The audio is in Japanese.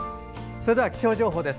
それでは、気象情報です。